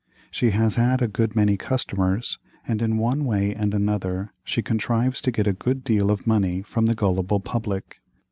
She has a good many customers, and in one way and another she contrives to get a good deal of money from the gullible public.